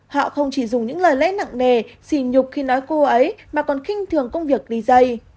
họ không chỉ dùng những lời lẽ nặng nề xỉ nhục khi nói cô ấy mà còn kinh thường công việc đi dây